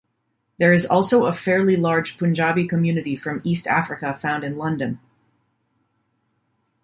There is also a fairly large Punjabi community from East Africa found in London.